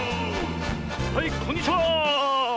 はいこんにちは！